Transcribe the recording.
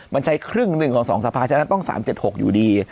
มันใช้ครึ่งหนึ่งของ๒สภาฉะนั้นต้อง๓๗๖อยู่ดี